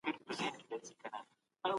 تاریخ به هر څه په ډاګه کړي.